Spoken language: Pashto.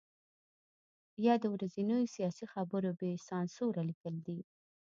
یا د ورځنیو سیاسي خبرو بې سانسوره لیکل دي.